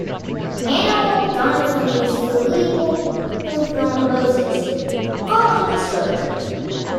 Manilal died from a cerebral thrombosis following a stroke.